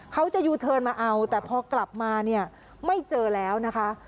เขาจะยูเทิร์นมาเอาแต่พอกลับมาเนี่ยไม่เจอแล้วนะคะ